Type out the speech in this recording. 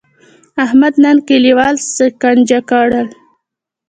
احمد نن کلیوال سکنجه کړل.